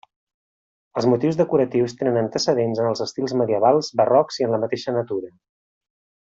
Els motius decoratius tenen antecedents en els estils medievals, barrocs i en la mateixa natura.